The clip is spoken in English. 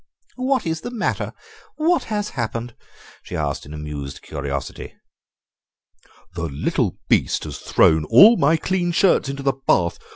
"What is the matter? What has happened?" she asked in amused curiosity. "The little beast has thrown all my clean shirts into the bath!